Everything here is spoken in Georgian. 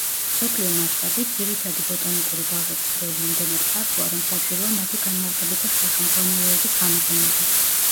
მსოფლიო მასშტაბით, ძირითადი ბოტანიკური ბაღების როლი იმდენად ფართოა, რომ საჭიროა მათი განმარტებითი სახელმძღვანელოების გამოყენება.